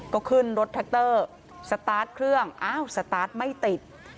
ก็ขึ้นรถแท็กเตอร์สตาร์ทเครื่องอ้าวสตาร์ทไม่ติด